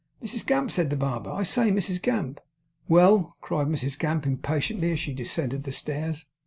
'Mrs Gamp,' said the barber. 'I say! Mrs Gamp!' 'Well,' cried Mrs Gamp, impatiently, as she descended the stairs.